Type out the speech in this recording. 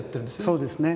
そうですね。